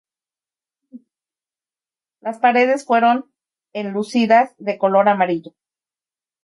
Las paredes fueron enlucidas de color amarillo.